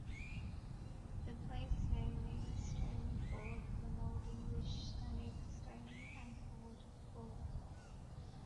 The place-name means 'stony ford' from Old English "stanig" 'stony' and "ford" 'ford'.